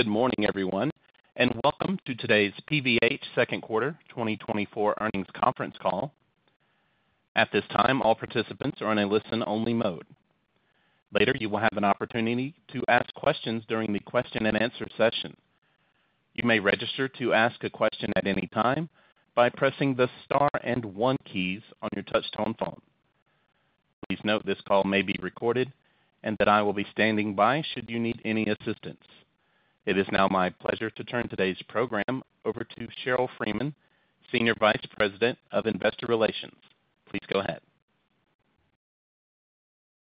Good morning, everyone, and welcome to today's PVH second quarter 2024 earnings conference call. At this time, all participants are in a listen-only mode. Later, you will have an opportunity to ask questions during the question-and-answer session. You may register to ask a question at any time by pressing the Star and one keys on your touch-tone phone. Please note, this call may be recorded and that I will be standing by should you need any assistance. It is now my pleasure to turn today's program over to Sheryl Freeman, Senior Vice President of Investor Relations. Please go ahead.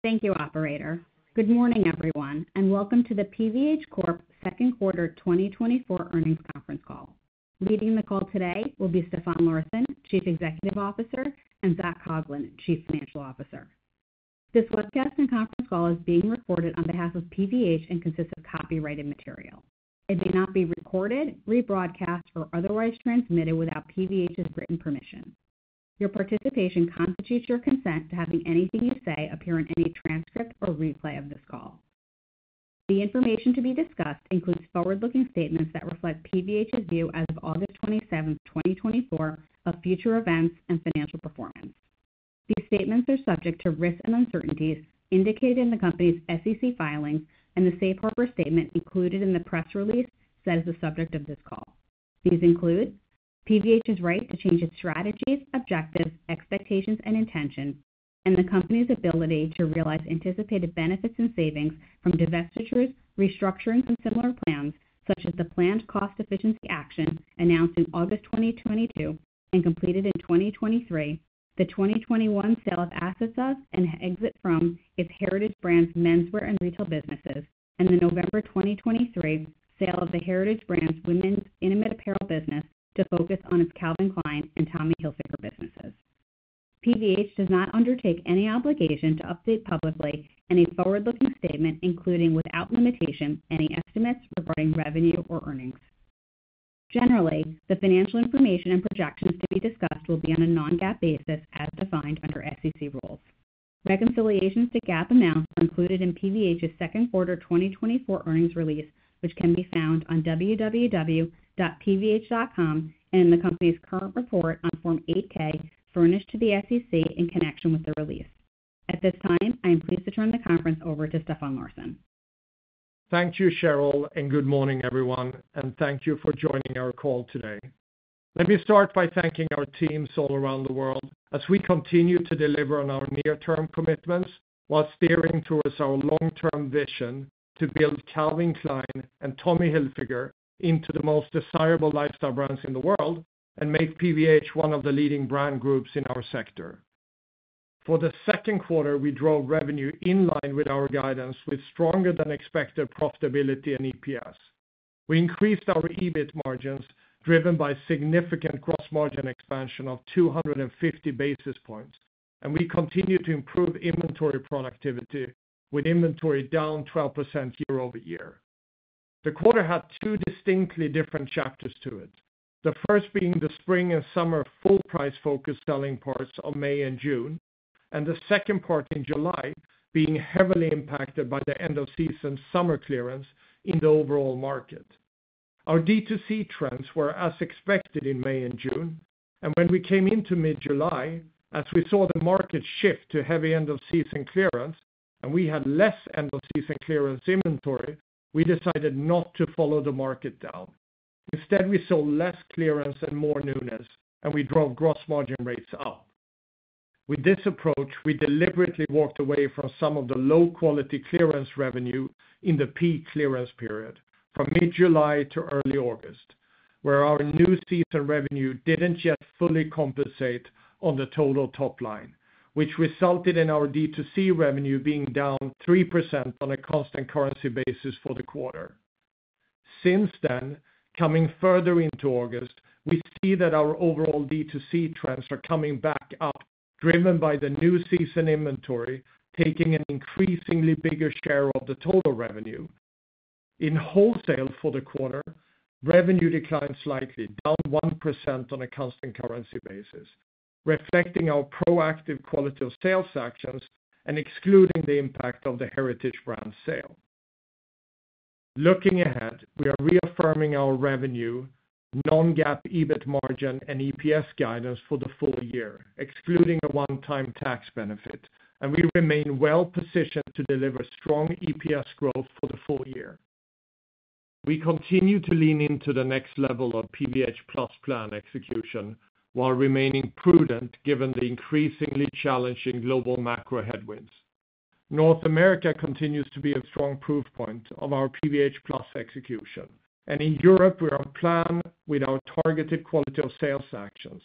Thank you, operator. Good morning, everyone, and welcome to the PVH Corp second quarter twenty twenty-four earnings conference call. Leading the call today will be Stefan Larsson, Chief Executive Officer, and Zac Coughlin, Chief Financial Officer. This webcast and conference call is being recorded on behalf of PVH and consists of copyrighted material. It may not be recorded, rebroadcast, or otherwise transmitted without PVH's written permission. Your participation constitutes your consent to having anything you say appear in any transcript or replay of this call. The information to be discussed includes forward-looking statements that reflect PVH's view as of August twenty-seventh, twenty twenty-four, of future events and financial performance. These statements are subject to risks and uncertainties indicated in the company's SEC filings and the safe harbor statement included in the press release that is the subject of this call. These include PVH's right to change its strategies, objectives, expectations and intentions, and the company's ability to realize anticipated benefits and savings from divestitures, restructuring some similar plans, such as the planned cost efficiency action announced in August 2022 and completed in 2023, the 2021 sale of assets of and exit from its Heritage Brands, menswear and retail businesses, and the November 2023 sale of the Heritage Brands women's intimate apparel business to focus on its Calvin Klein and Tommy Hilfiger businesses. PVH does not undertake any obligation to update publicly any forward-looking statement, including, without limitation, any estimates regarding revenue or earnings. Generally, the financial information and projections to be discussed will be on a non-GAAP basis as defined under SEC rules. Reconciliations to GAAP amounts are included in PVH's second quarter 2024 earnings release, which can be found on www.pvh.com and in the company's current report on Form 8-K, furnished to the SEC in connection with the release. At this time, I am pleased to turn the conference over to Stefan Larsson. Thank you, Cheryl, and good morning, everyone, and thank you for joining our call today. Let me start by thanking our teams all around the world as we continue to deliver on our near-term commitments while steering towards our long-term vision to build Calvin Klein and Tommy Hilfiger into the most desirable lifestyle brands in the world and make PVH one of the leading brand groups in our sector. For the second quarter, we drove revenue in line with our guidance, with stronger than expected profitability and EPS. We increased our EBIT margins, driven by significant gross margin expansion of two hundred and fifty basis points, and we continue to improve inventory productivity, with inventory down 12% year over year. The quarter had two distinctly different chapters to it. The first being the spring and summer full-price focus selling parts of May and June, and the second part in July being heavily impacted by the end of season summer clearance in the overall market. Our DTC trends were as expected in May and June, and when we came into mid-July, as we saw the market shift to heavy end-of-season clearance and we had less end-of-season clearance inventory, we decided not to follow the market down. Instead, we sold less clearance and more newness, and we drove gross margin rates up. With this approach, we deliberately walked away from some of the low-quality clearance revenue in the peak clearance period from mid-July to early August, where our new season revenue didn't yet fully compensate on the total top line, which resulted in our DTC revenue being down 3% on a constant currency basis for the quarter. Since then, coming further into August, we see that our overall DTC trends are coming back up, driven by the new season inventory, taking an increasingly bigger share of the total revenue. In wholesale for the quarter, revenue declined slightly, down 1% on a constant currency basis, reflecting our proactive Quality of Sales actions and excluding the impact of the Heritage Brands sale. Looking ahead, we are reaffirming our revenue, non-GAAP EBIT margin, and EPS guidance for the full year, excluding a one-time tax benefit, and we remain well-positioned to deliver strong EPS growth for the full year. We continue to lean into the next level of PVH+ Plan execution while remaining prudent given the increasingly challenging global macro headwinds. North America continues to be a strong proof point of our PVH+ plan execution, and in Europe, we are on plan with our targeted Quality of Sales actions.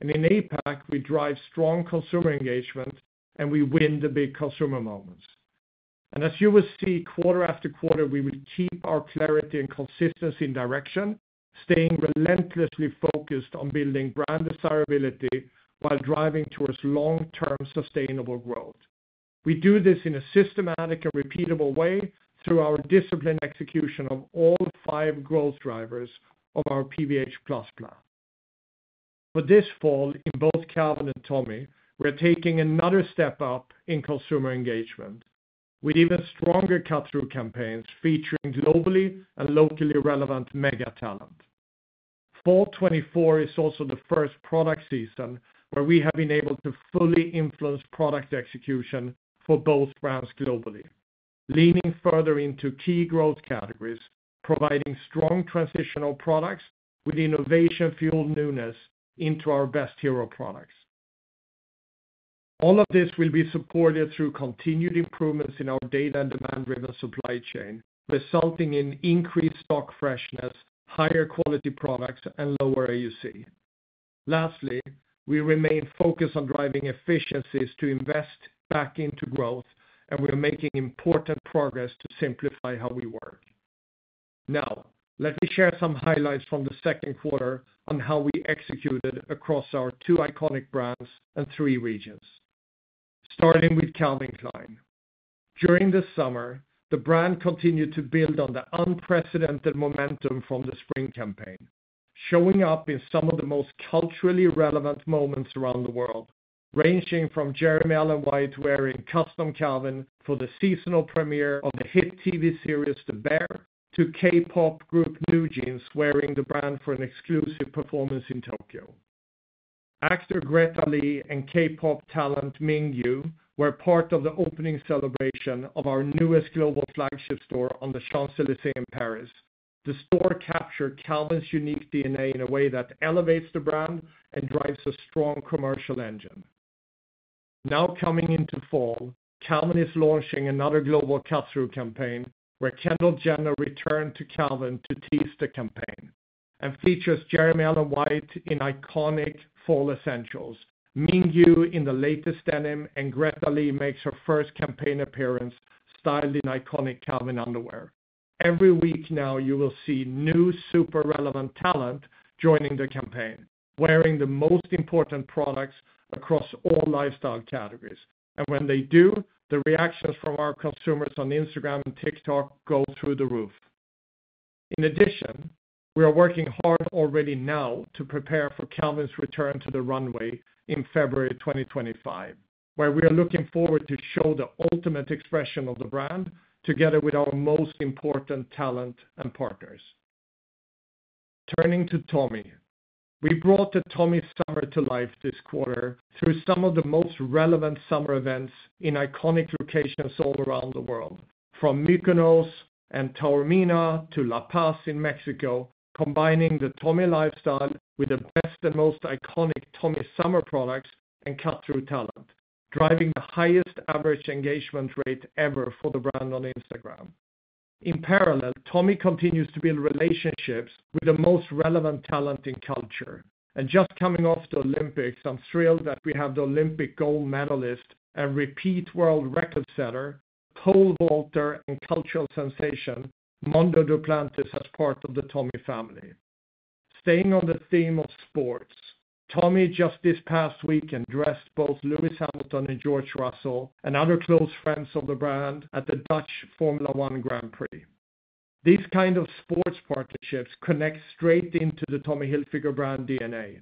And in APAC, we drive strong consumer engagement, and we win the big consumer moments. And as you will see, quarter after quarter, we will keep our clarity and consistency in direction, staying relentlessly focused on building brand desirability while driving towards long-term sustainable growth. We do this in a systematic and repeatable way through our disciplined execution of all five growth drivers of our PVH+ Plan. But this fall, in both Calvin and Tommy, we're taking another step up in consumer engagement, with even stronger cut-through campaigns featuring globally and locally relevant mega talent. Fall 2024 is also the first product season where we have been able to fully influence product execution for both brands globally, leaning further into key growth categories, providing strong transitional products with innovation-fueled newness into our best hero products. All of this will be supported through continued improvements in our data and demand-driven supply chain, resulting in increased stock freshness, higher quality products, and lower AUC. Lastly, we remain focused on driving efficiencies to invest back into growth, and we are making important progress to simplify how we work. Now, let me share some highlights from the second quarter on how we executed across our two iconic brands and three regions. Starting with Calvin Klein. During the summer, the brand continued to build on the unprecedented momentum from the spring campaign, showing up in some of the most culturally relevant moments around the world, ranging from Jeremy Allen White wearing custom Calvin for the seasonal premiere of the hit TV series, The Bear, to K-pop group, NewJeans, wearing the brand for an exclusive performance in Tokyo. Actor Greta Lee and K-pop talent, Mingyu, were part of the opening celebration of our newest global flagship store on the Champs-Élysées in Paris. The store captured Calvin's unique DNA in a way that elevates the brand and drives a strong commercial engine. Now, coming into fall, Calvin is launching another global cut-through campaign, where Kendall Jenner returned to Calvin to tease the campaign, and features Jeremy Allen White in iconic fall essentials, Mingyu in the latest denim, and Greta Lee makes her first campaign appearance, styled in iconic Calvin underwear. Every week now, you will see new, super relevant talent joining the campaign, wearing the most important products across all lifestyle categories, and when they do, the reactions from our consumers on Instagram and TikTok go through the roof. In addition, we are working hard already now to prepare for Calvin's return to the runway in February twenty twenty-five, where we are looking forward to show the ultimate expression of the brand, together with our most important talent and partners. Turning to Tommy. We brought the Tommy summer to life this quarter through some of the most relevant summer events in iconic locations all around the world, from Mykonos and Taormina to La Paz in Mexico, combining the Tommy lifestyle with the best and most iconic Tommy summer products and cut-through talent, driving the highest average engagement rate ever for the brand on Instagram. In parallel, Tommy continues to build relationships with the most relevant talent in culture. Just coming off the Olympics, I'm thrilled that we have the Olympic gold medalist and repeat world record setter, pole vaulter, and cultural sensation, Mondo Duplantis, as part of the Tommy family. Staying on the theme of sports, Tommy, just this past weekend, dressed both Lewis Hamilton and George Russell and other close friends of the brand at the Dutch Formula One Grand Prix. These kind of sports partnerships connect straight into the Tommy Hilfiger brand DNA.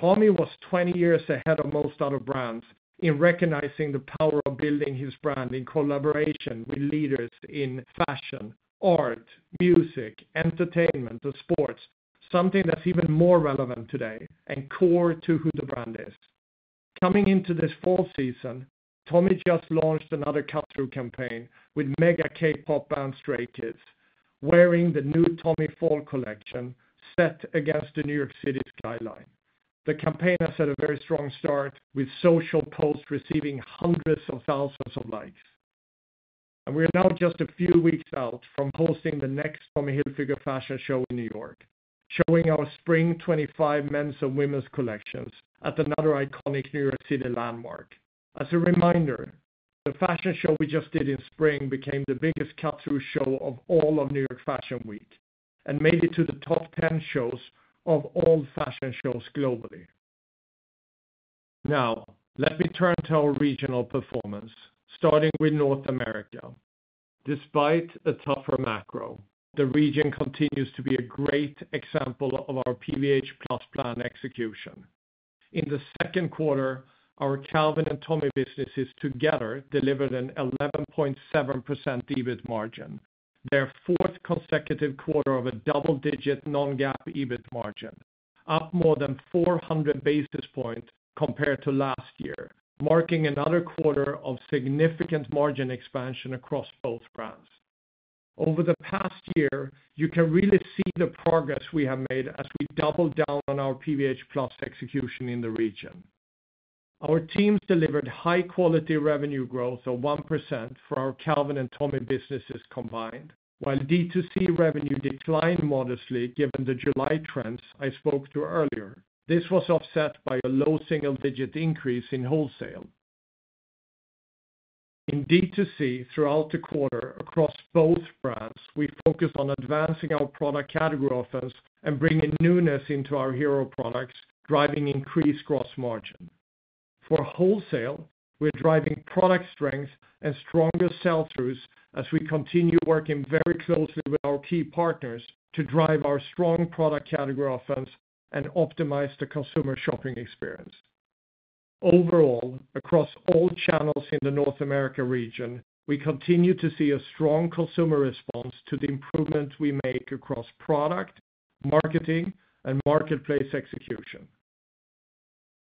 Tommy was twenty years ahead of most other brands in recognizing the power of building his brand in collaboration with leaders in fashion, art, music, entertainment, and sports, something that's even more relevant today and core to who the brand is. Coming into this fall season, Tommy just launched another cut-through campaign with mega K-pop band, Stray Kids, wearing the new Tommy fall collection set against the New York City skyline. The campaign has had a very strong start, with social posts receiving hundreds of thousands of likes, and we are now just a few weeks out from hosting the next Tommy Hilfiger fashion show in New York, showing our spring '25 men's and women's collections at another iconic New York City landmark. As a reminder, the fashion show we just did in spring became the biggest cut-through show of all of New York Fashion Week and made it to the top 10 shows of all fashion shows globally. Now, let me turn to our regional performance, starting with North America. Despite a tougher macro, the region continues to be a great example of our PVH+ Plan execution. In the second quarter, our Calvin and Tommy businesses together delivered an 11.7% EBIT margin, their fourth consecutive quarter of a double-digit non-GAAP EBIT margin, up more than 400 basis points compared to last year, marking another quarter of significant margin expansion across both brands. Over the past year, you can really see the progress we have made as we double down on our PVH+ execution in the region. Our teams delivered high-quality revenue growth of 1% for our Calvin and Tommy businesses combined, while D2C revenue declined modestly, given the July trends I spoke to earlier. This was offset by a low single-digit increase in wholesale. In D2C, throughout the quarter, across both brands, we focused on advancing our product category offers and bringing newness into our hero products, driving increased gross margin. For wholesale, we're driving product strength and stronger sell-throughs as we continue working very closely with our key partners to drive our strong product category offense and optimize the consumer shopping experience. Overall, across all channels in the North America region, we continue to see a strong consumer response to the improvements we make across product, marketing, and marketplace execution.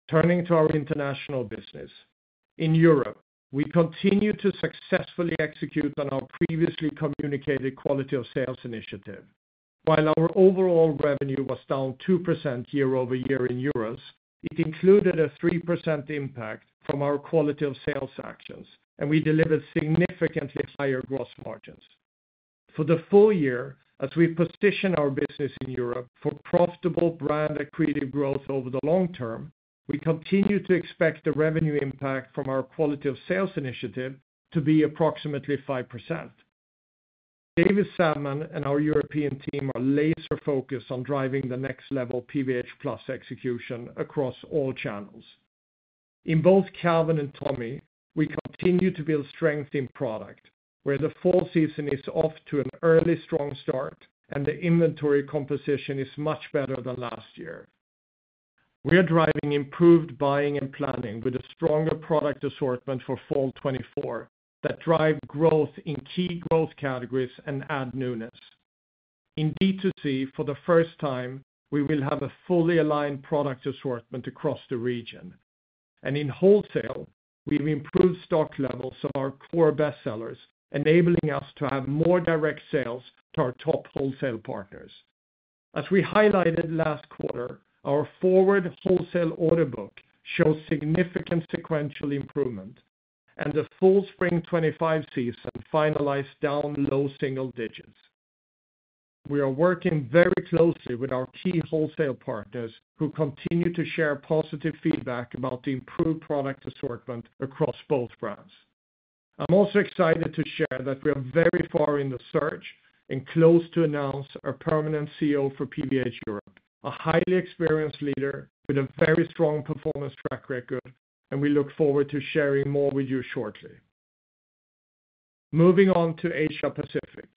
Turning to our international business. In Europe, we continue to successfully execute on our previously communicated Quality of Sales initiative. While our overall revenue was down 2% year-over-year in euros, it included a 3% impact from our Quality of Sales actions, and we delivered significantly higher gross margins. For the full year, as we position our business in Europe for profitable brand accretive growth over the long term, we continue to expect the revenue impact from our Quality of Sales initiative to be approximately 5%. David Salmon and our European team are laser focused on driving the next level of PVH+ execution across all channels. In both Calvin and Tommy, we continue to build strength in product, where the fall season is off to an early strong start, and the inventory composition is much better than last year. We are driving improved buying and planning with a stronger product assortment for fall 2024, that drive growth in key growth categories and add newness. In D2C, for the first time, we will have a fully aligned product assortment across the region. And in wholesale, we've improved stock levels of our core best sellers, enabling us to have more direct sales to our top wholesale partners. As we highlighted last quarter, our forward wholesale order book shows significant sequential improvement, and the full spring 2025 season finalized down low single digits. We are working very closely with our key wholesale partners, who continue to share positive feedback about the improved product assortment across both brands. I'm also excited to share that we are very far in the search and close to announce our permanent CEO for PVH Europe, a highly experienced leader with a very strong performance track record, and we look forward to sharing more with you shortly. Moving on to Asia Pacific.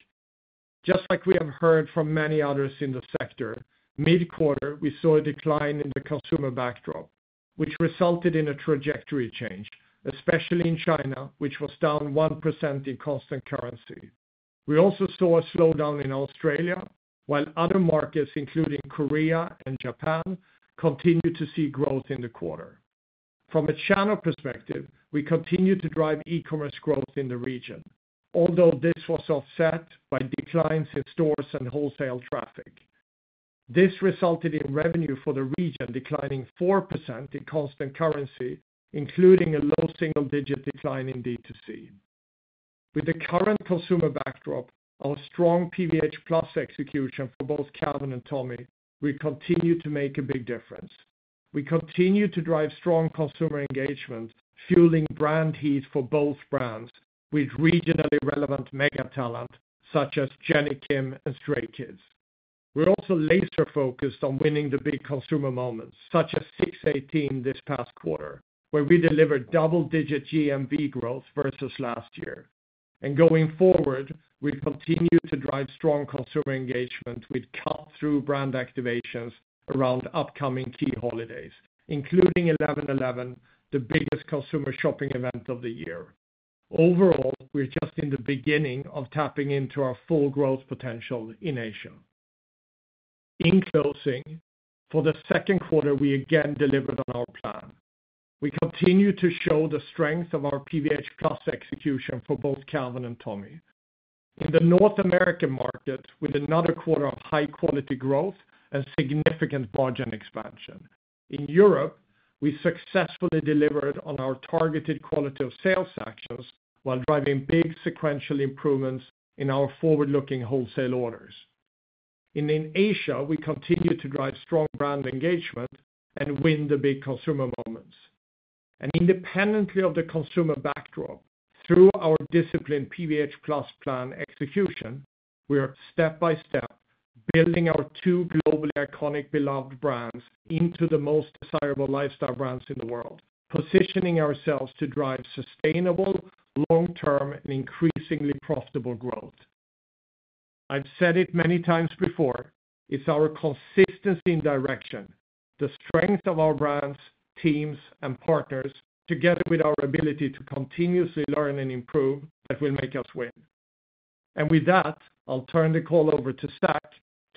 Just like we have heard from many others in the sector, mid-quarter, we saw a decline in the consumer backdrop, which resulted in a trajectory change, especially in China, which was down 1% in constant currency. We also saw a slowdown in Australia, while other markets, including Korea and Japan, continued to see growth in the quarter. From a channel perspective, we continued to drive e-commerce growth in the region, although this was offset by declines in stores and wholesale traffic. This resulted in revenue for the region declining 4% in constant currency, including a low single-digit decline in D2C. With the current consumer backdrop, our strong PVH+ execution for both Calvin and Tommy, we continue to make a big difference. We continue to drive strong consumer engagement, fueling brand heat for both brands with regionally relevant mega talent, such as Jennie Kim and Stray Kids. We're also laser focused on winning the big consumer moments, such as 618 this past quarter, where we delivered double-digit GMV growth versus last year, and going forward, we continue to drive strong consumer engagement with cut-through brand activations around upcoming key holidays, including 11.11, the biggest consumer shopping event of the year. Overall, we're just in the beginning of tapping into our full growth potential in Asia. In closing, for the second quarter, we again delivered on our plan. We continue to show the strength of our PVH+ execution for both Calvin and Tommy in the North American market, with another quarter of high quality growth and significant margin expansion. In Europe, we successfully delivered on our targeted quality of sales actions while driving big sequential improvements in our forward-looking wholesale orders, and in Asia, we continue to drive strong brand engagement and win the big consumer moments, and independently of the consumer backdrop, through our disciplined PVH+ plan execution, we are step by step building our two globally iconic, beloved brands into the most desirable lifestyle brands in the world, positioning ourselves to drive sustainable, long-term, and increasingly profitable growth. I've said it many times before, it's our consistency in direction, the strength of our brands, teams, and partners, together with our ability to continuously learn and improve, that will make us win. And with that, I'll turn the call over to Zac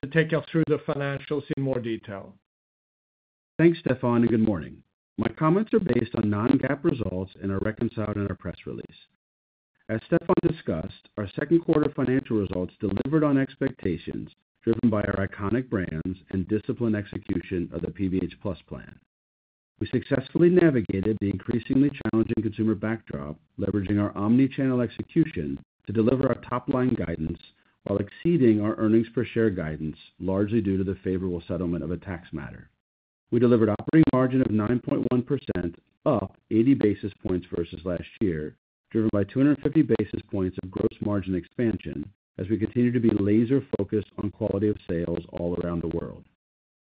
to take us through the financials in more detail. Thanks, Stefan, and good morning. My comments are based on non-GAAP results and are reconciled in our press release. As Stefan discussed, our second quarter financial results delivered on expectations, driven by our iconic brands and disciplined execution of the PVH+ Plan. We successfully navigated the increasingly challenging consumer backdrop, leveraging our omni-channel execution to deliver our top-line guidance while exceeding our earnings per share guidance, largely due to the favorable settlement of a tax matter. We delivered operating margin of 9.1%, up 80 basis points versus last year, driven by 250 basis points of gross margin expansion as we continue to be laser-focused on quality of sales all around the world.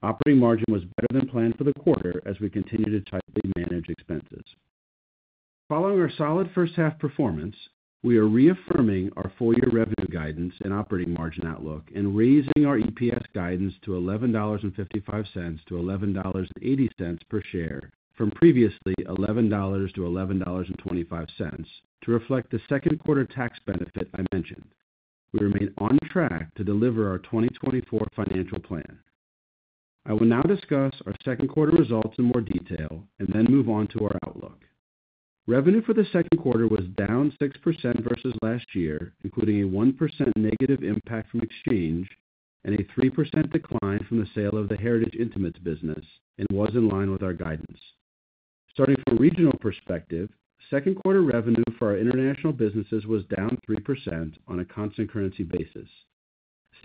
Operating margin was better than planned for the quarter as we continue to tightly manage expenses. Following our solid first half performance, we are reaffirming our full-year revenue guidance and operating margin outlook and raising our EPS guidance to $11.55-$11.80 per share, from previously $11-$11.25, to reflect the second quarter tax benefit I mentioned. We remain on track to deliver our 2024 financial plan. I will now discuss our second quarter results in more detail and then move on to our outlook. Revenue for the second quarter was down 6% versus last year, including a 1% negative impact from exchange and a 3% decline from the sale of the Heritage Intimates business, and was in line with our guidance. Starting from a regional perspective, second quarter revenue for our international businesses was down 3% on a constant currency basis.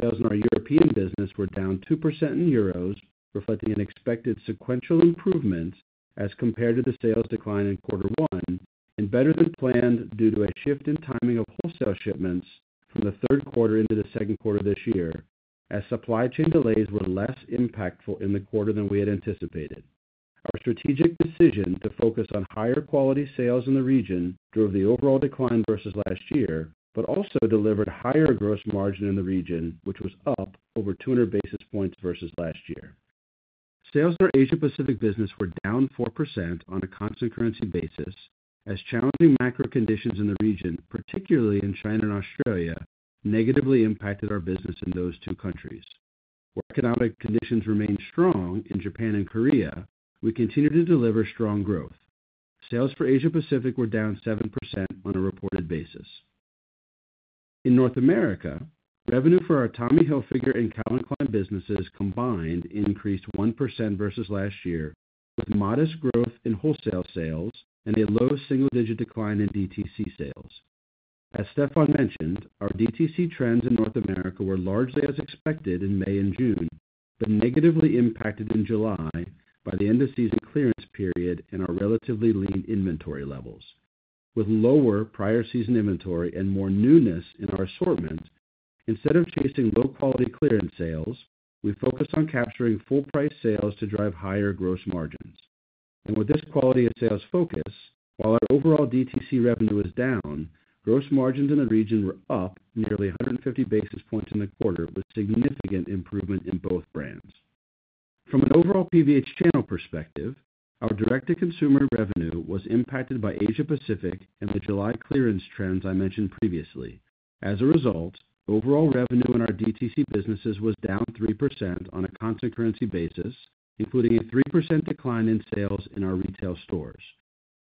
Sales in our European business were down 2% in euros, reflecting an expected sequential improvement as compared to the sales decline in quarter one, and better than planned due to a shift in timing of wholesale shipments from the third quarter into the second quarter this year, as supply chain delays were less impactful in the quarter than we had anticipated. Our strategic decision to focus on higher quality sales in the region drove the overall decline versus last year, but also delivered higher gross margin in the region, which was up over 200 basis points versus last year. Sales in our Asia Pacific business were down 4% on a constant currency basis, as challenging macro conditions in the region, particularly in China and Australia, negatively impacted our business in those two countries. Where economic conditions remain strong in Japan and Korea, we continue to deliver strong growth. Sales for Asia Pacific were down 7% on a reported basis. In North America, revenue for our Tommy Hilfiger and Calvin Klein businesses combined increased 1% versus last year, with modest growth in wholesale sales and a low single-digit decline in DTC sales. As Stefan mentioned, our DTC trends in North America were largely as expected in May and June, but negatively impacted in July by the end-of-season clearance period and our relatively lean inventory levels. With lower prior season inventory and more newness in our assortment, instead of chasing low-quality clearance sales, we focused on capturing full price sales to drive higher gross margins. And with this quality of sales focus, while our overall DTC revenue was down, gross margins in the region were up nearly 150 basis points in the quarter, with significant improvement in both brands. From an overall PVH channel perspective, our direct-to-consumer revenue was impacted by Asia Pacific and the July clearance trends I mentioned previously. As a result, overall revenue in our DTC businesses was down 3% on a constant currency basis, including a 3% decline in sales in our retail stores.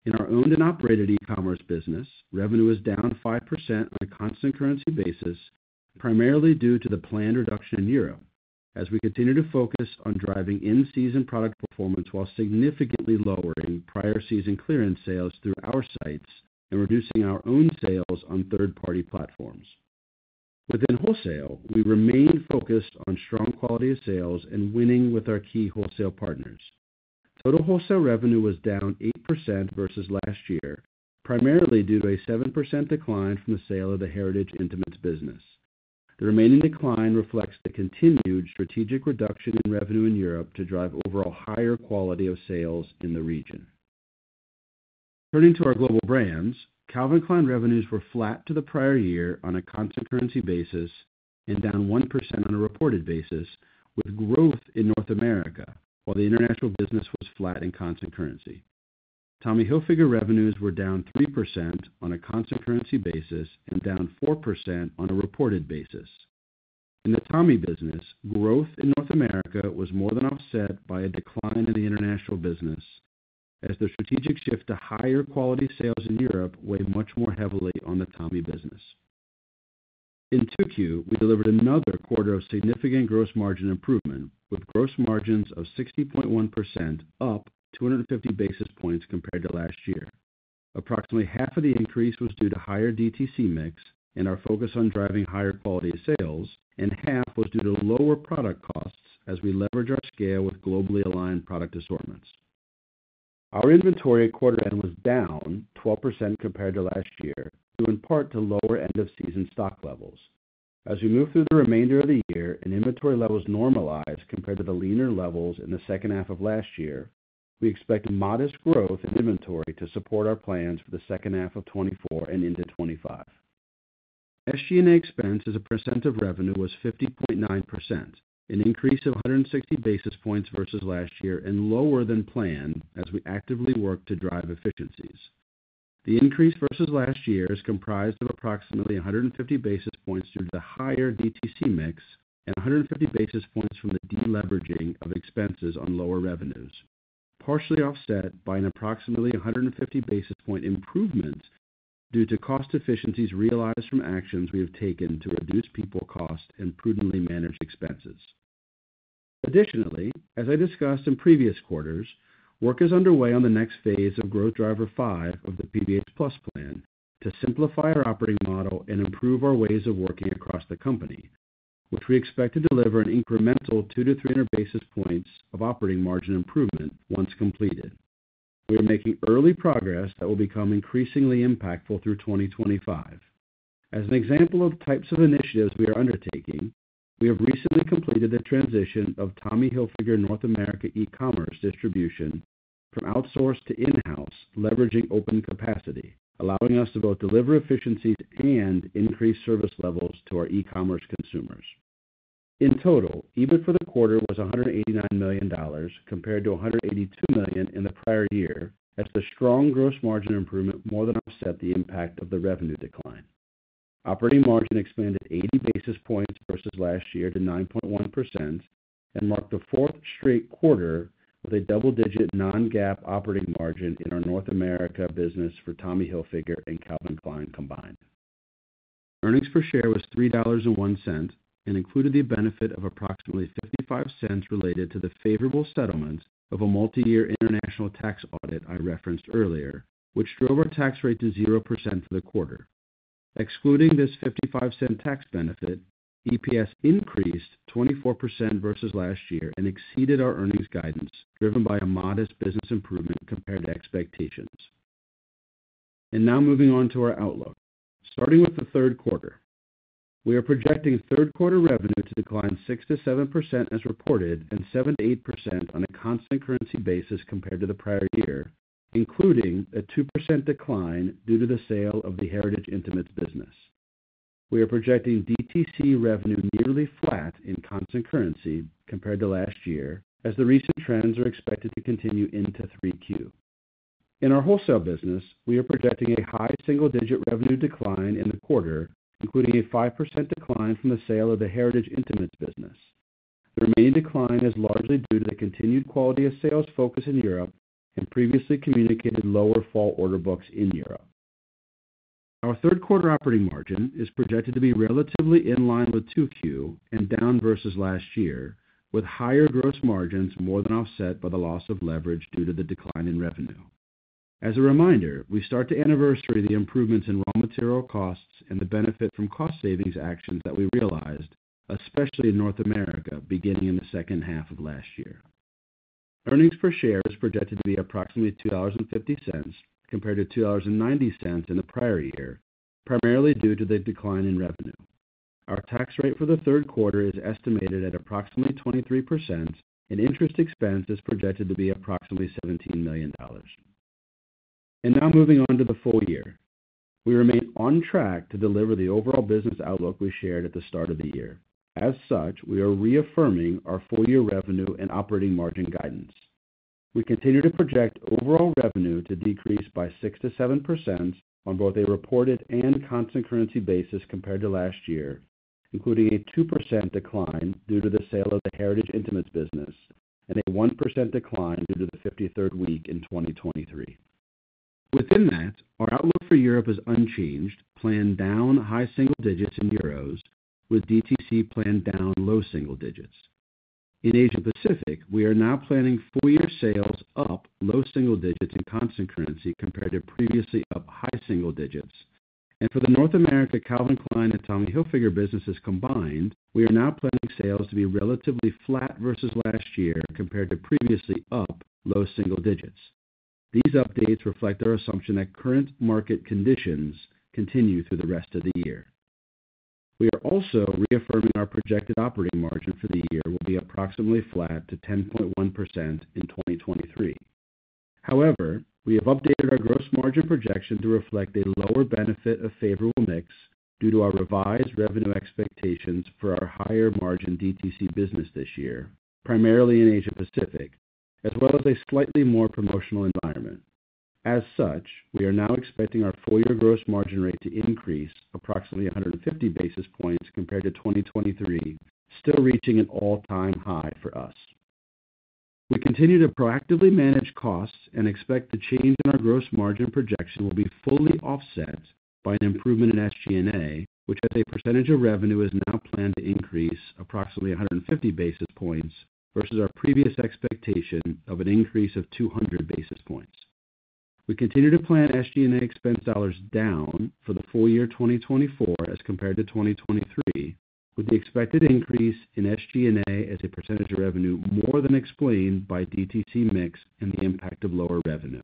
In our owned and operated e-commerce business, revenue was down 5% on a constant currency basis, primarily due to the planned reduction in Europe, as we continue to focus on driving in-season product performance while significantly lowering prior season clearance sales through our sites and reducing our own sales on third-party platforms. Within wholesale, we remained focused on strong quality of sales and winning with our key wholesale partners. Total wholesale revenue was down 8% versus last year, primarily due to a 7% decline from the sale of the Heritage Intimates business. The remaining decline reflects the continued strategic reduction in revenue in Europe to drive overall higher quality of sales in the region. Turning to our global brands, Calvin Klein revenues were flat to the prior year on a constant currency basis and down 1% on a reported basis, with growth in North America, while the international business was flat in constant currency. Tommy Hilfiger revenues were down 3% on a constant currency basis and down 4% on a reported basis. In the Tommy business, growth in North America was more than offset by a decline in the international business, as the strategic shift to higher quality sales in Europe weighed much more heavily on the Tommy business. In Q2, we delivered another quarter of significant gross margin improvement, with gross margins of 60.1%, up 250 basis points compared to last year. Approximately half of the increase was due to higher DTC mix and our focus on driving higher quality of sales, and half was due to lower product costs as we leverage our scale with globally aligned product assortments. Our inventory at quarter end was down 12% compared to last year, due in part to lower end-of-season stock levels. As we move through the remainder of the year and inventory levels normalize compared to the leaner levels in the second half of last year, we expect modest growth in inventory to support our plans for the second half of 2024 and into 2025. SG&A expense as a percent of revenue was 50.9%, an increase of 160 basis points versus last year and lower than planned as we actively work to drive efficiencies. The increase versus last year is comprised of approximately 150 basis points due to the higher DTC mix and 150 basis points from the deleveraging of expenses on lower revenues, partially offset by approximately 150 basis point improvement due to cost efficiencies realized from actions we have taken to reduce people cost and prudently manage expenses. Additionally, as I discussed in previous quarters, work is underway on the next phase of growth driver five of the PVH+ Plan to simplify our operating model and improve our ways of working across the company, which we expect to deliver an incremental two to three hundred basis points of operating margin improvement once completed. We are making early progress that will become increasingly impactful through twenty twenty-five. As an example of types of initiatives we are undertaking, we have recently completed the transition of Tommy Hilfiger North America e-commerce distribution from outsourced to in-house, leveraging open capacity, allowing us to both deliver efficiencies and increase service levels to our e-commerce consumers. In total, EBIT for the quarter was $189 million, compared to $182 million in the prior year, as the strong gross margin improvement more than offset the impact of the revenue decline. Operating margin expanded 80 basis points versus last year to 9.1% and marked the fourth straight quarter with a double-digit non-GAAP operating margin in our North America business for Tommy Hilfiger and Calvin Klein combined. Earnings per share was $3.01, and included the benefit of approximately $0.55 related to the favorable settlement of a multi-year international tax audit I referenced earlier, which drove our tax rate to 0% for the quarter. Excluding this $0.55 tax benefit, EPS increased 24% versus last year and exceeded our earnings guidance, driven by a modest business improvement compared to expectations. Now moving on to our outlook. Starting with the third quarter, we are projecting third quarter revenue to decline 6%-7% as reported, and 7%-8% on a constant currency basis compared to the prior year, including a 2% decline due to the sale of the Heritage Intimates business. We are projecting DTC revenue nearly flat in constant currency compared to last year, as the recent trends are expected to continue into Q3. In our wholesale business, we are projecting a high single-digit revenue decline in the quarter, including a 5% decline from the sale of the Heritage Intimates business. The remaining decline is largely due to the continued quality of sales focus in Europe and previously communicated lower fall order books in Europe. Our third quarter operating margin is projected to be relatively in line with 2Q and down versus last year, with higher gross margins more than offset by the loss of leverage due to the decline in revenue. As a reminder, we start to anniversary the improvements in raw material costs and the benefit from cost savings actions that we realized, especially in North America, beginning in the second half of last year. Earnings per share is projected to be approximately $2.50, compared to $2.90 in the prior year, primarily due to the decline in revenue. Our tax rate for the third quarter is estimated at approximately 23%, and interest expense is projected to be approximately $17 million. And now moving on to the full year. We remain on track to deliver the overall business outlook we shared at the start of the year. As such, we are reaffirming our full-year revenue and operating margin guidance. We continue to project overall revenue to decrease by 6-7% on both a reported and constant currency basis compared to last year, including a 2% decline due to the sale of the Heritage Brands business and a 1% decline due to the fifty-third week in 2023. Within that, our outlook for Europe is unchanged, planned down high single digits in euros, with DTC planned down low single digits. In Asia Pacific, we are now planning full-year sales up low single digits in constant currency compared to previously up high single digits. For the North America, Calvin Klein and Tommy Hilfiger businesses combined, we are now planning sales to be relatively flat versus last year, compared to previously up low single digits. These updates reflect our assumption that current market conditions continue through the rest of the year. We are also reaffirming our projected operating margin for the year will be approximately flat to 10.1% in 2023. However, we have updated our gross margin projection to reflect a lower benefit of favorable mix due to our revised revenue expectations for our higher margin DTC business this year, primarily in Asia Pacific, as well as a slightly more promotional environment. As such, we are now expecting our full year gross margin rate to increase approximately 150 basis points compared to 2023, still reaching an all-time high for us. We continue to proactively manage costs and expect the change in our gross margin projection will be fully offset by an improvement in SG&A, which, as a percentage of revenue, is now planned to increase approximately 150 basis points versus our previous expectation of an increase of 200 basis points. We continue to plan SG&A expense dollars down for the full year 2024 as compared to 2023, with the expected increase in SG&A as a percentage of revenue more than explained by DTC mix and the impact of lower revenue.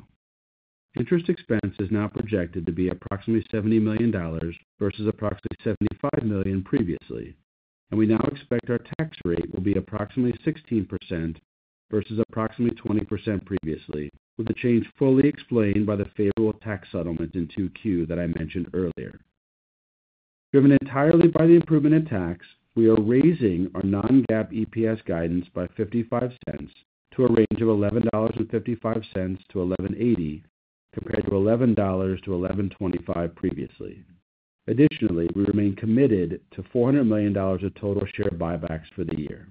Interest expense is now projected to be approximately $70 million versus approximately $75 million previously, and we now expect our tax rate will be approximately 16% versus approximately 20% previously, with the change fully explained by the favorable tax settlement in 2Q that I mentioned earlier. Driven entirely by the improvement in tax, we are raising our non-GAAP EPS guidance by $0.55 to a range of $11.55-$11.80, compared to $11.00-$11.25 previously. Additionally, we remain committed to $400 million of total share buybacks for the year.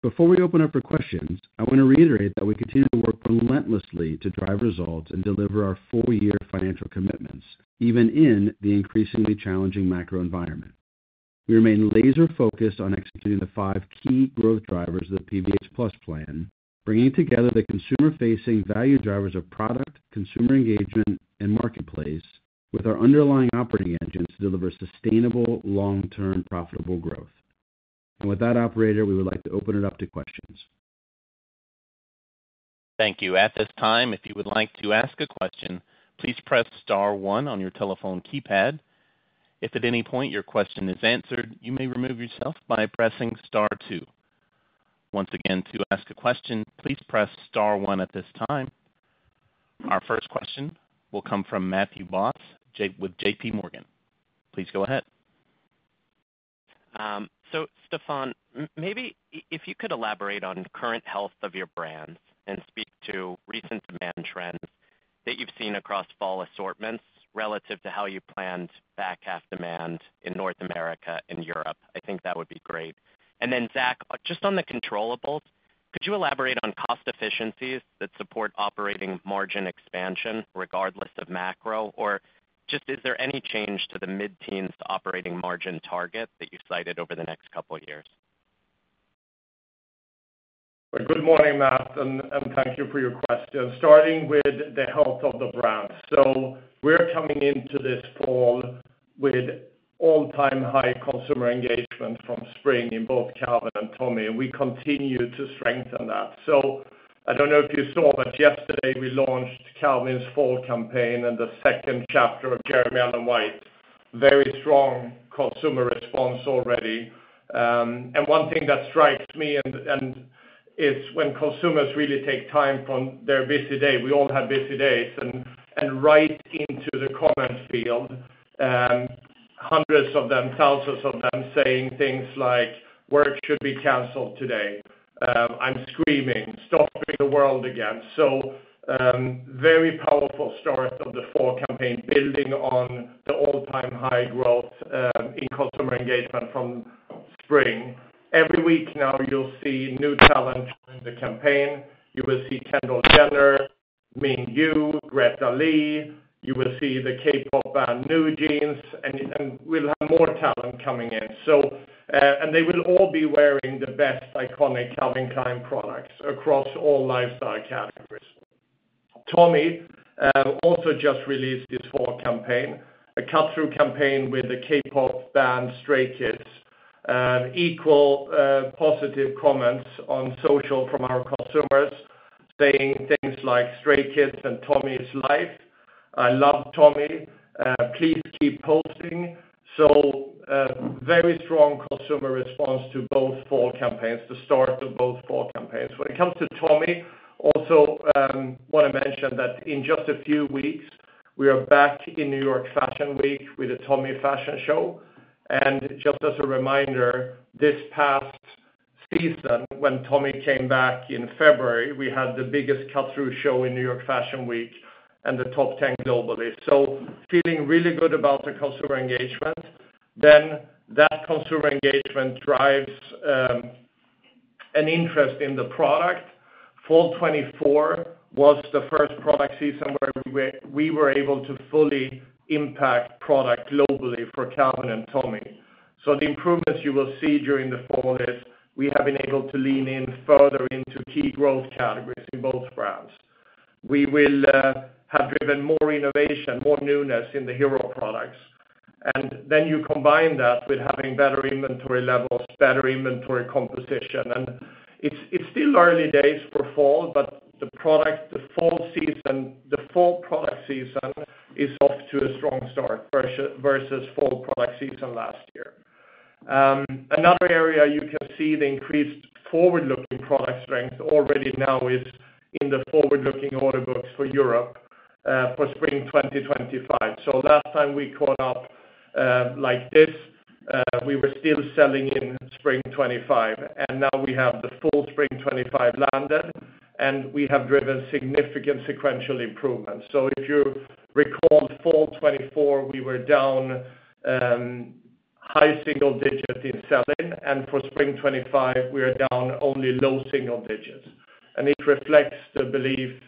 Before we open up for questions, I want to reiterate that we continue to work relentlessly to drive results and deliver our full-year financial commitments, even in the increasingly challenging macro environment. We remain laser-focused on executing the five key growth drivers of the PVH+ Plan, bringing together the consumer-facing value drivers of product-... consumer engagement, and marketplace with our underlying operating engines to deliver sustainable, long-term, profitable growth. And with that, operator, we would like to open it up to questions. Thank you. At this time, if you would like to ask a question, please press star one on your telephone keypad. If at any point your question is answered, you may remove yourself by pressing star two. Once again, to ask a question, please press star one at this time. Our first question will come from Matthew Boss with JPMorgan. Please go ahead. So, Stefan, maybe if you could elaborate on the current health of your brands and speak to recent demand trends that you've seen across fall assortments relative to how you planned back half demand in North America and Europe. I think that would be great. And then, Zac, just on the controllables, could you elaborate on cost efficiencies that support operating margin expansion regardless of macro? Or just, is there any change to the mid-teens operating margin target that you cited over the next couple of years? Good morning, Matt, and thank you for your question. Starting with the health of the brand. So we're coming into this fall with all-time high consumer engagement from spring in both Calvin and Tommy, and we continue to strengthen that. So I don't know if you saw, but yesterday, we launched Calvin's fall campaign and the second chapter of Jeremy Allen White. Very strong consumer response already. And one thing that strikes me and it's when consumers really take time from their busy day, we all have busy days, and write into the comment field, hundreds of them, thousands of them, saying things like, "Work should be canceled today." "I'm screaming, stop the world again." So, very powerful start of the fall campaign, building on the all-time high growth in customer engagement from spring. Every week now, you'll see new talent in the campaign. You will see Kendall Jenner, Mingyu, Greta Lee. You will see the K-pop band, NewJeans, and we'll have more talent coming in. So, and they will all be wearing the best iconic Calvin Klein products across all lifestyle categories. Tommy also just released its fall campaign, a cut-through campaign with the K-pop band, Stray Kids. Equally positive comments on social from our consumers, saying things like, "Stray Kids and Tommy is life. I love Tommy. Please keep posting." So, very strong consumer response to both fall campaigns, the start of both fall campaigns. When it comes to Tommy, also want to mention that in just a few weeks, we are back in New York Fashion Week with a Tommy fashion show. Just as a reminder, this past season, when Tommy came back in February, we had the biggest cut-through show in New York Fashion Week and the top ten globally. Feeling really good about the consumer engagement. That consumer engagement drives an interest in the product. Fall 2024 was the first product season where we were able to fully impact product globally for Calvin and Tommy. The improvements you will see during the fall is we have been able to lean in further into key growth categories in both brands. We will have driven more innovation, more newness in the hero products. You combine that with having better inventory levels, better inventory composition. It's still early days for fall, but the product, the fall season, the fall product season is off to a strong start versus fall product season last year. Another area you can see the increased forward-looking product strength already now is in the forward-looking order books for Europe, for spring 2025. So last time we caught up, like this, we were still selling in spring 2025, and now we have the full spring 2025 landed, and we have driven significant sequential improvements. So if you recall, fall 2024, we were down high single digit in sell-in, and for spring 2025, we are down only low single digits. And it reflects the belief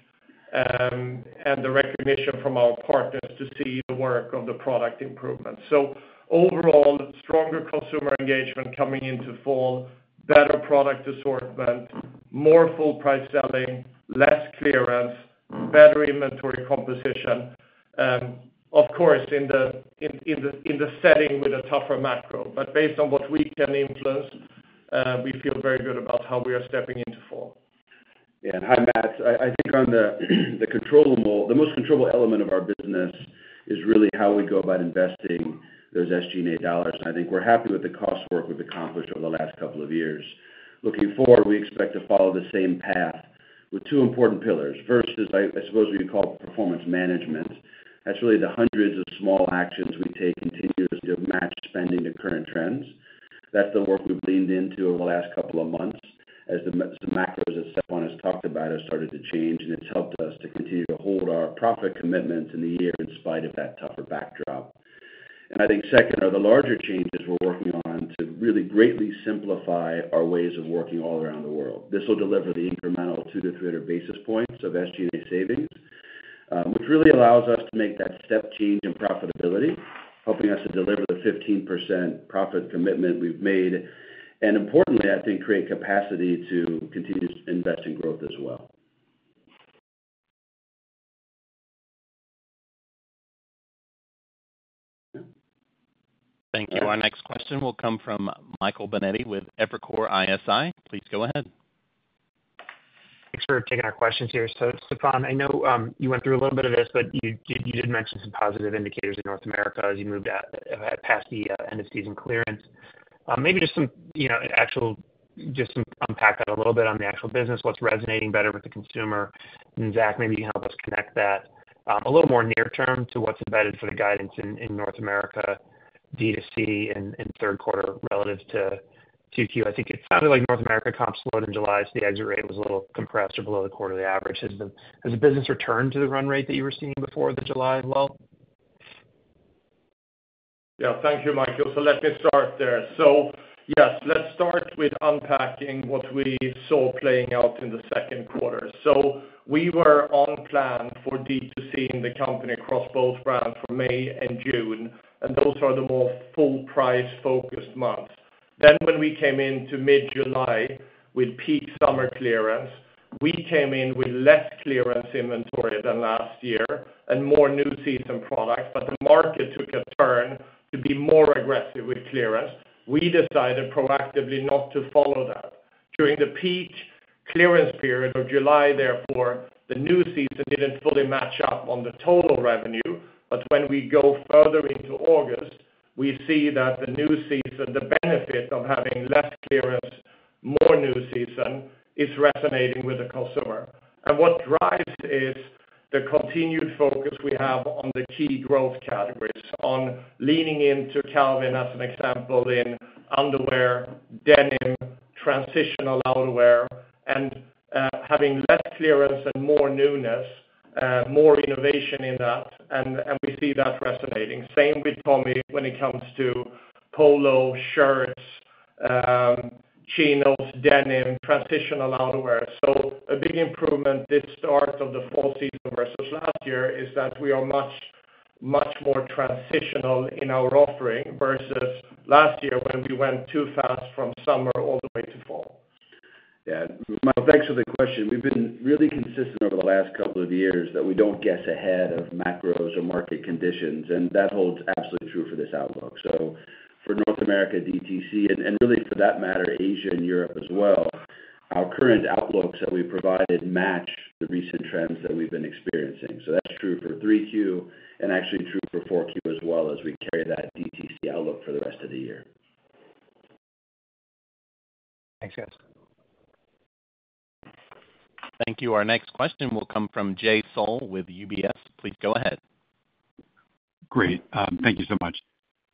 and the recognition from our partners to see the work of the product improvement. So overall, stronger consumer engagement coming into fall, better product assortment, more full price selling, less clearance, better inventory composition. Of course, in the setting with a tougher macro. But based on what we can influence, we feel very good about how we are stepping into fall. Yeah. Hi, Matt. I think on the controllable, the most controllable element of our business is really how we go about investing those SG&A dollars. I think we're happy with the cost work we've accomplished over the last couple of years. Looking forward, we expect to follow the same path with two important pillars. First is, I suppose, what you'd call performance management. That's really the hundreds of small actions we take continuously to match spending to current trends. That's the work we've leaned into over the last couple of months as the macros that Stefan has talked about have started to change, and it's helped us to continue to hold our profit commitments in the year in spite of that tougher backdrop. And I think second, are the larger changes we're working on to really greatly simplify our ways of working all around the world. This will deliver the incremental two to three hundred basis points of SG&A savings, which really allows us to make that step change in profitability... helping us to deliver the 15% profit commitment we've made, and importantly, I think, create capacity to continue to invest in growth as well. Thank you. Our next question will come from Michael Binetti with Evercore ISI. Please go ahead. Thanks for taking our questions here. So, Stefan, I know you went through a little bit of this, but you did mention some positive indicators in North America as you moved out past the end-of-season clearance. Maybe just some, you know, just to unpack that a little bit on the actual business, what's resonating better with the consumer? And Zac, maybe you can help us connect that a little more near term to what's embedded for the guidance in North America, D2C and third quarter relative to 2Q. I think it sounded like North America comp slowed in July, so the exit rate was a little compressed or below the quarterly average. Has the business returned to the run rate that you were seeing before the July lull? Yeah, thank you, Michael. Let me start there. Yes, let's start with unpacking what we saw playing out in the second quarter. We were on plan for D2C in the company across both brands for May and June, and those are the more full price-focused months. When we came into mid-July with peak summer clearance, we came in with less clearance inventory than last year and more new season products, but the market took a turn to be more aggressive with clearance. We decided proactively not to follow that. During the peak clearance period of July, therefore, the new season didn't fully match up on the total revenue, but when we go further into August, we see that the new season, the benefit of having less clearance, more new season, is resonating with the consumer. And what drives is the continued focus we have on the key growth categories, on leaning into Calvin, as an example, in underwear, denim, transitional outerwear, and having less clearance and more newness, more innovation in that, and we see that resonating. Same with Tommy when it comes to polo, shirts, chinos, denim, transitional outerwear. So a big improvement this start of the fall season versus last year is that we are much, much more transitional in our offering versus last year, when we went too fast from summer all the way to fall. Yeah. Well, thanks for the question. We've been really consistent over the last couple of years that we don't guess ahead of macros or market conditions, and that holds absolutely true for this outlook. So for North America, DTC, and really, for that matter, Asia and Europe as well, our current outlooks that we provided match the recent trends that we've been experiencing. So that's true for 3Q and actually true for 4Q as well, as we carry that DTC outlook for the rest of the year. Thanks, guys. Thank you. Our next question will come from Jay Sole with UBS. Please go ahead. Great. Thank you so much.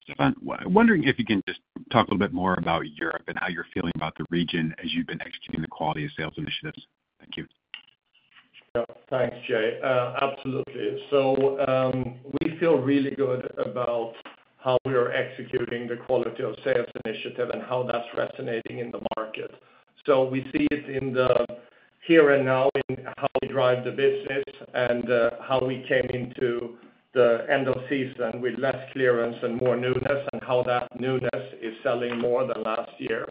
Stefan, wondering if you can just talk a little bit more about Europe and how you're feeling about the region as you've been executing the quality of sales initiatives? Thank you. Yeah. Thanks, Jay. Absolutely. So, we feel really good about how we are executing the quality of sales initiative and how that's resonating in the market. So we see it in the here and now in how we drive the business and, how we came into the end of season with less clearance and more newness, and how that newness is selling more than last year.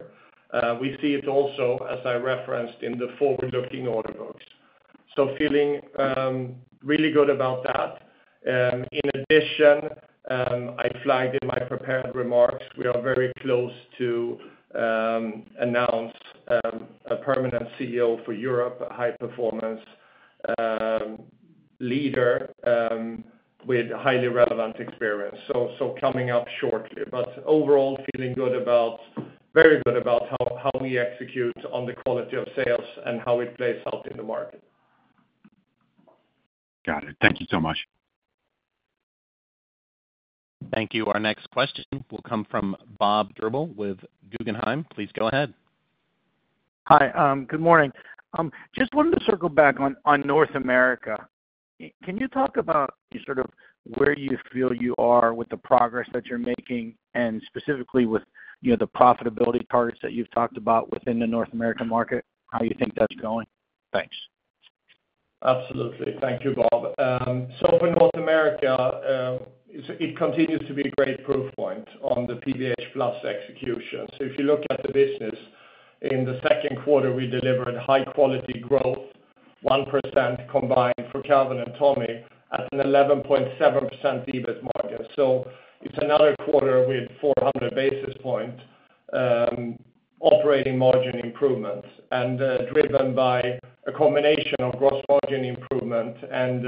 We see it also, as I referenced, in the forward-looking order books. So feeling really good about that. In addition, I flagged in my prepared remarks, we are very close to announce a permanent CEO for Europe, a high-performance leader with highly relevant experience. So, coming up shortly, but overall, feeling very good about how we execute on the Quality of Sales and how it plays out in the market. Got it. Thank you so much. Thank you. Our next question will come from Bob Drbul with Guggenheim. Please go ahead. Hi, good morning. Just wanted to circle back on North America. Can you talk about sort of where you feel you are with the progress that you're making, and specifically with, you know, the profitability targets that you've talked about within the North American market, how you think that's going? Thanks. Absolutely. Thank you, Bob. So for North America, it continues to be a great proof point on the PVH+ execution. So if you look at the business, in the second quarter, we delivered high-quality growth, 1% combined for Calvin and Tommy at an 11.7% EBIT margin. So it's another quarter with 400 basis point operating margin improvements, and driven by a combination of gross margin improvement and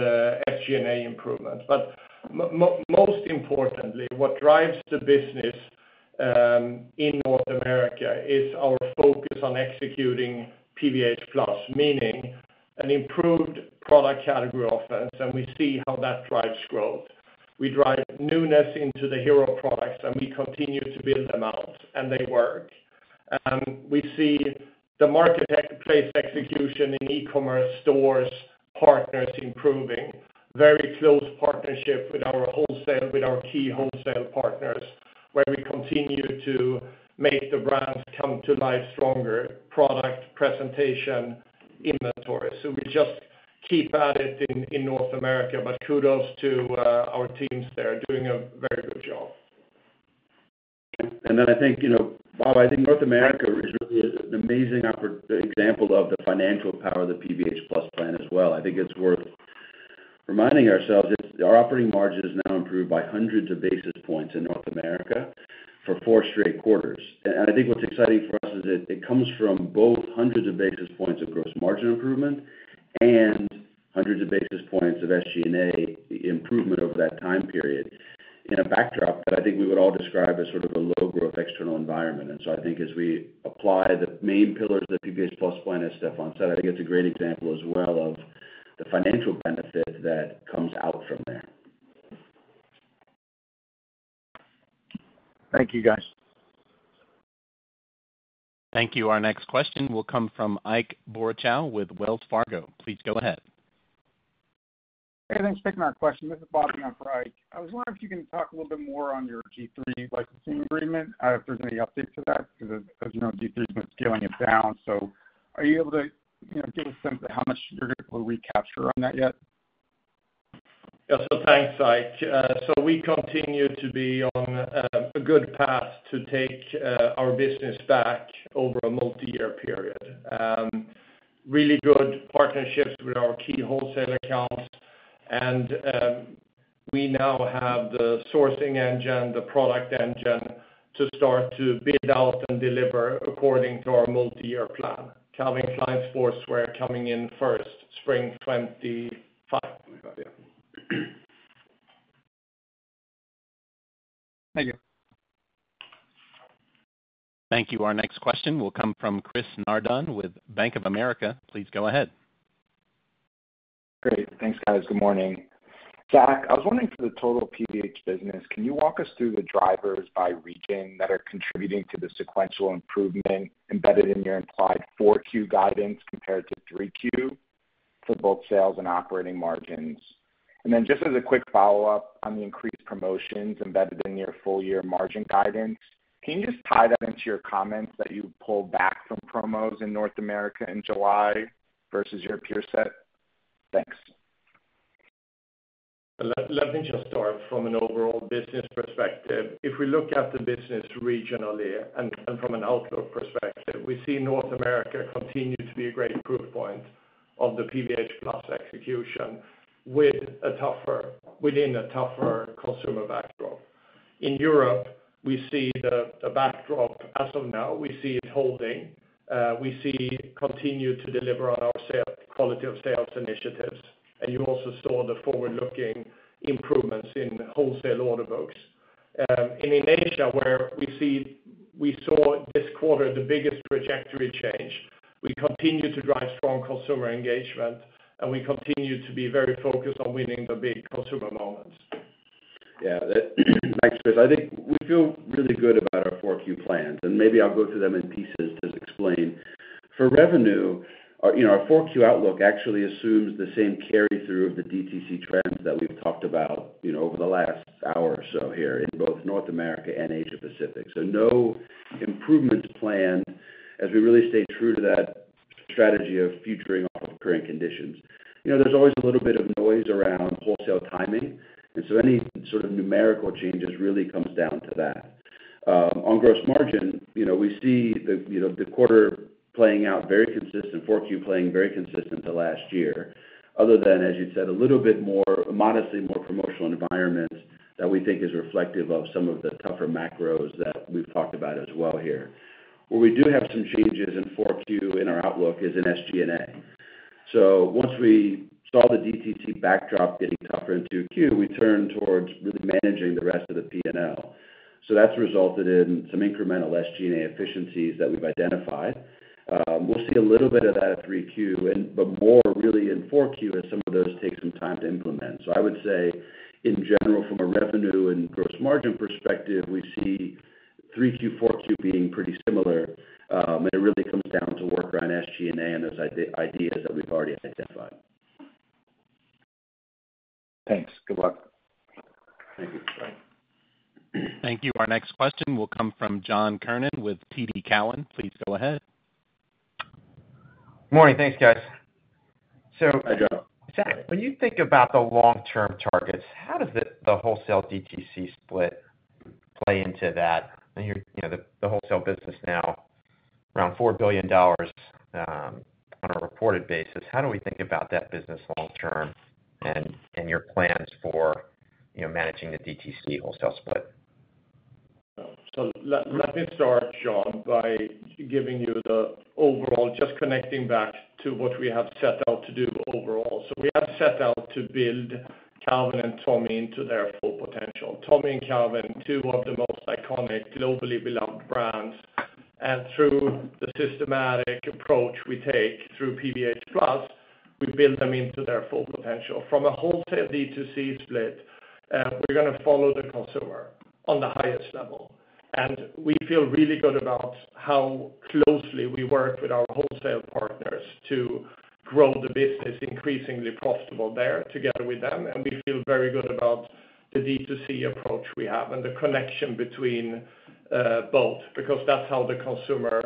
SG&A improvements. But most importantly, what drives the business in North America is our focus on executing PVH+, meaning an improved product category offense, and we see how that drives growth. We drive newness into the hero products, and we continue to build them out, and they work. We see the marketplace execution in e-commerce, stores, partners improving. Very close partnership with our wholesale, with our key wholesale partners, where we continue to make the brands come to life stronger, product, presentation, inventory. So we keep at it in North America. But kudos to our teams there, doing a very good job. Then I think, you know, Bob, I think North America is really an amazing example of the financial power of the PVH+ Plan as well. I think it's worth reminding ourselves. It's our operating margin has now improved by hundreds of basis points in North America for four straight quarters. I think what's exciting for us is that it comes from both hundreds of basis points of gross margin improvement and hundreds of basis points of SG&A improvement over that time period, in a backdrop that I think we would all describe as sort of a low-growth external environment. So I think as we apply the main pillars of the PVH+ Plan, as Stefan said, I think it's a great example as well of the financial benefit that comes out from there. Thank you, guys. Thank you. Our next question will come from Ike Boruchow with Wells Fargo. Please go ahead. Hey, thanks for taking our question. This is Bob on for Ike. I was wondering if you can talk a little bit more on your G-III licensing agreement, if there's any update to that, because as you know, G-III's been scaling it down. So are you able to, you know, give a sense of how much you're able to recapture on that yet? Yeah. Thanks, Ike. We continue to be on a good path to take our business back over a multi-year period. Really good partnerships with our key wholesale accounts, and we now have the sourcing engine, the product engine, to start to build out and deliver according to our multi-year plan. Calvin Klein Sportswear coming in first, spring 2025. Thank you. Thank you. Our next question will come from Chris Nardone with Bank of America. Please go ahead. Great. Thanks, guys. Good morning. Zac, I was wondering, for the total PVH business, can you walk us through the drivers by region that are contributing to the sequential improvement embedded in your implied four Q guidance compared to three Q, for both sales and operating margins? And then just as a quick follow-up on the increased promotions embedded in your full year margin guidance, can you just tie that into your comments that you pulled back from promos in North America in July versus your peer set? Thanks. Let me just start from an overall business perspective. If we look at the business regionally and from an outlook perspective, we see North America continue to be a great proof point of the PVH+ execution, with a tougher, within a tougher consumer backdrop. In Europe, we see the backdrop as of now, we see it holding, we see it continue to deliver on our sales, quality of sales initiatives, and you also saw the forward-looking improvements in wholesale order books, and in Asia, where we see, we saw this quarter, the biggest trajectory change, we continue to drive strong consumer engagement, and we continue to be very focused on winning the big consumer moments. Yeah, thanks, Chris. I think we feel really good about our Q4 plans, and maybe I'll go through them in pieces to explain. For revenue, our, you know, our Q4 outlook actually assumes the same carry-through of the DTC trends that we've talked about, you know, over the last hour or so here in both North America and Asia Pacific. So no improvements planned, as we really stay true to that strategy of futuring off current conditions. You know, there's always a little bit of noise around wholesale timing, and so any sort of numerical changes really comes down to that. On gross margin, you know, we see the, you know, the quarter playing out very consistent, 4Q playing very consistent to last year, other than, as you'd said, a little bit more, modestly more promotional environment that we think is reflective of some of the tougher macros that we've talked about as well here. Where we do have some changes in 4Q in our outlook is in SG&A. So once we saw the DTC backdrop getting tougher in 2Q, we turned towards really managing the rest of the P&L. So that's resulted in some incremental SG&A efficiencies that we've identified. We'll see a little bit of that in 3Q, and, but more really in 4Q, as some of those take some time to implement. I would say, in general, from a revenue and gross margin perspective, we see Q3, Q4 being pretty similar, and it really comes down to work around SG&A and those ideas that we've already identified. Thanks. Good luck. Thank you, Chris. Thank you. Our next question will come from John Kernan with TD Cowen. Please go ahead. Good morning. Thanks, guys. So- Hi, John. Zac, when you think about the long-term targets, how does the wholesale DTC split play into that? I think, you know, the wholesale business now around $4 billion on a reported basis. How do we think about that business long term and your plans for, you know, managing the DTC wholesale split? So let me start, John, by giving you the overall, just connecting back to what we have set out to do overall. So we have set out to build Calvin and Tommy into their full potential. Tommy and Calvin, two of the most iconic, globally beloved brands, and through the systematic approach we take through PVH+, we build them into their full potential. From a wholesale DTC split, we're gonna follow the consumer on the highest level, and we feel really good about how closely we work with our wholesale partners to grow the business increasingly profitable there together with them. And we feel very good about the D2C approach we have and the connection between both, because that's how the consumer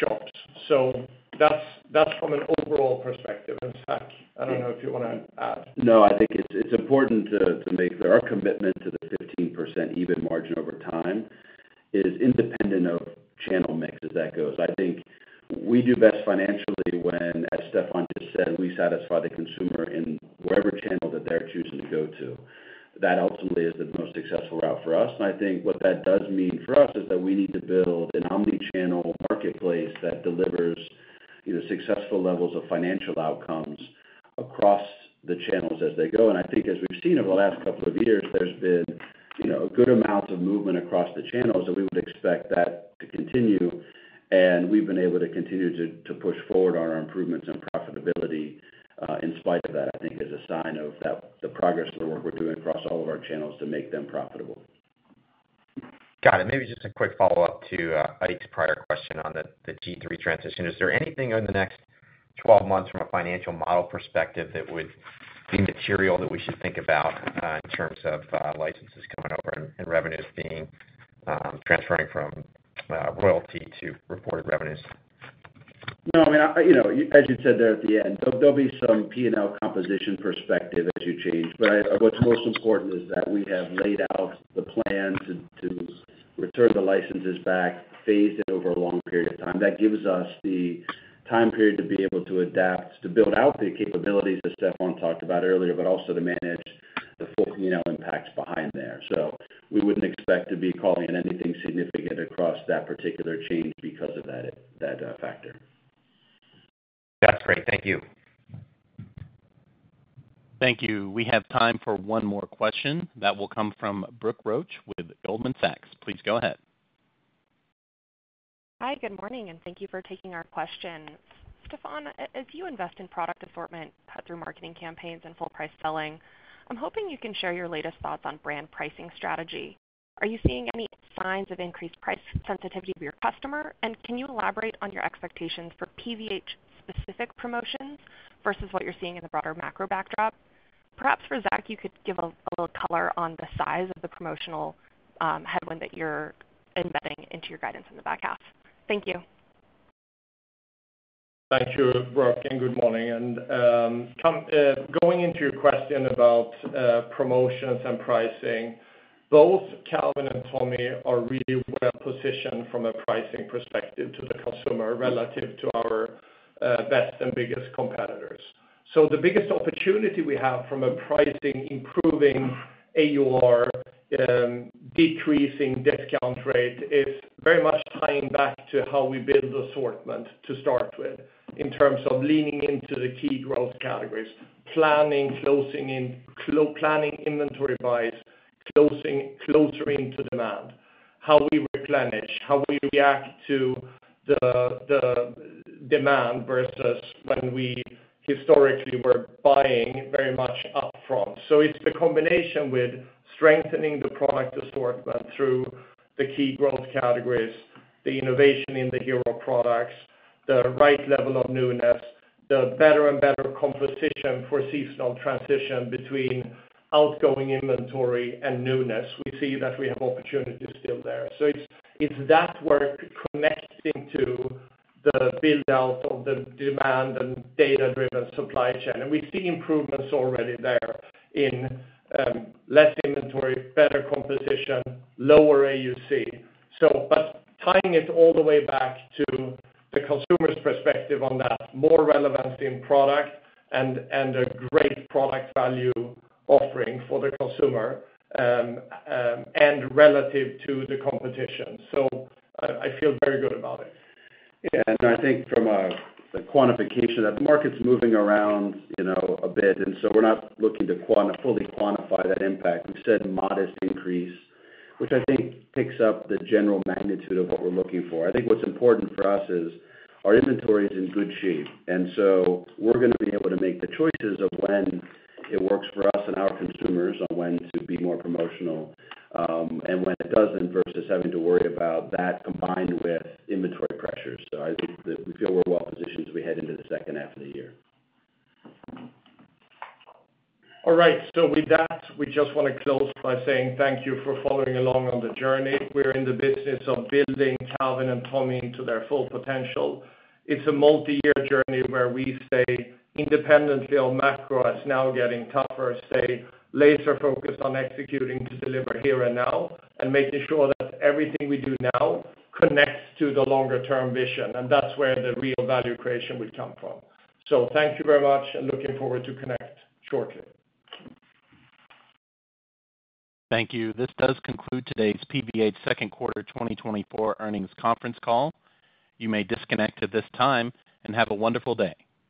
shops. So that's from an overall perspective. And Zac, I don't know if you wanna add. No, I think it's important to make clear, our commitment to the 15% EBIT margin over time is independent of channel mix as that goes. I think we do best financially when, as Stefan just said, we satisfy the consumer in whatever channel that they're choosing to go to. That ultimately is the most successful route for us. And I think what that does mean for us is that we need to build an omni-channel marketplace that delivers, you know, successful levels of financial outcomes across the channels as they go. And I think as we've seen over the last couple of years, there's been, you know, good amounts of movement across the channels, and we would expect that to continue. We've been able to continue to push forward on our improvements in profitability, in spite of that, I think, is a sign of that, the progress of the work we're doing across all of our channels to make them profitable. Got it. Maybe just a quick follow-up to Ike's prior question on the G-III transition. Is there anything over the next twelve months from a financial model perspective that would be material that we should think about in terms of licenses coming over and revenues being transferring from royalty to reported revenues? No, I mean, you know, as you said there at the end, there'll be some P&L composition perspective as you change. But what's most important is that we have laid out the plan to return the licenses back, phased it over a long period of time. That gives us the time period to be able to adapt, to build out the capabilities that Stefan talked about earlier, but also to manage the full P&L impacts behind there. So we wouldn't expect to be calling anything significant across that particular change because of that factor. That's great. Thank you. Thank you. We have time for one more question. That will come from Brooke Roach with Goldman Sachs. Please go ahead. Hi, good morning, and thank you for taking our questions. Stefan, as you invest in product assortment, cut through marketing campaigns and full price selling, I'm hoping you can share your latest thoughts on brand pricing strategy. Are you seeing any signs of increased price sensitivity of your customer? And can you elaborate on your expectations for PVH-specific promotions versus what you're seeing in the broader macro backdrop? Perhaps for Zac, you could give a little color on the size of the promotional headwind that you're embedding into your guidance in the back half. Thank you. Thank you, Brooke, and good morning. And going into your question about promotions and pricing, both Calvin and Tommy are really well positioned from a pricing perspective to the consumer, relative to our best and biggest competitors. So the biggest opportunity we have from a pricing, improving AUR, decreasing discount rate, is very much tying back to how we build assortment to start with, in terms of leaning into the key growth categories, planning inventory buys, closing into demand, how we replenish, how we react to the demand, versus when we historically were buying very much upfront. So it's a combination with strengthening the product assortment through the key growth categories, the innovation in the hero products, the right level of newness, the better and better composition for seasonal transition between outgoing inventory and newness. We see that we have opportunities still there. So it's that work connecting to the build-out of the demand and data-driven supply chain. And we see improvements already there in less inventory, better composition, lower AUC. So but tying it all the way back to the consumer's perspective on that, more relevancy in product and a great product value offering for the consumer, and relative to the competition. So I feel very good about it. And I think from the quantification, that the market's moving around, you know, a bit, and so we're not looking to fully quantify that impact. We've said modest increase, which I think picks up the general magnitude of what we're looking for. I think what's important for us is, our inventory is in good shape, and so we're gonna be able to make the choices of when it works for us and our consumers on when to be more promotional, and when it doesn't, versus having to worry about that combined with inventory pressures. So I think that we feel we're well positioned as we head into the second half of the year. All right, so with that, we just wanna close by saying thank you for following along on the journey. We're in the business of building Calvin and Tommy to their full potential. It's a multi-year journey where we stay independently on macro, that's now getting tougher, stay laser focused on executing to deliver here and now, and making sure that everything we do now connects to the longer term vision, and that's where the real value creation will come from. So thank you very much, and looking forward to connect shortly. Thank you. This does conclude today's PVH second quarter 2024 earnings conference call. You may disconnect at this time, and have a wonderful day.